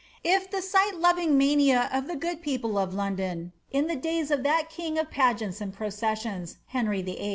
If the sight loving mania of the good people of London in the days of that king of pageants and processions, Henry VIII.